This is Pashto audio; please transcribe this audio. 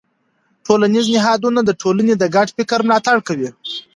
ټولنیز نهادونه د ټولنې د ګډ فکر ملاتړ کوي.